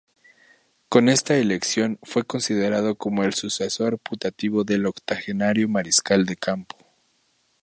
Con esta elección, fue considerado como el sucesor putativo del octogenario mariscal de campo.